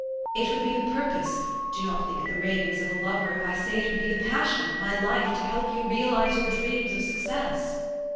It would be the purpose do not think it the ravings of a lover if I say it would be the passion of my life to help you realize your dreams of success."